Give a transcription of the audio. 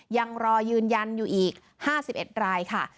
ยังรอยืนยันอยู่อีก๕๑รายค่ะ